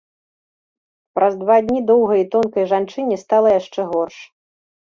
Праз два дні доўгай і тонкай жанчыне стала яшчэ горш.